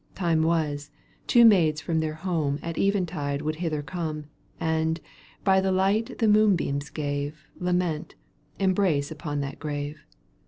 Time was, two maidens fix)m their home С ^ At eventide would hither come. And, by the light the moonbeams gave, Lament, embrace upon that grave.